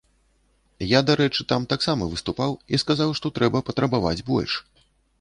Я, дарэчы, там таксама выступаў і сказаў, што трэба патрабаваць больш.